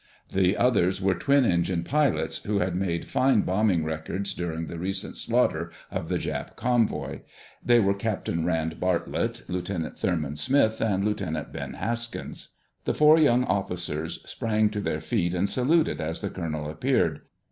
The others were twin engine pilots, who had made fine bombing records during the recent slaughter of the Jap convoy. They were Captain Rand Bartlett, Lieutenant Thurman Smith, and Lieutenant Ben Haskins. The four young officers sprang to their feet and saluted as the colonel appeared.